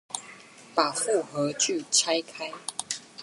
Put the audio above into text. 把複合句拆開